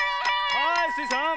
はいスイさん。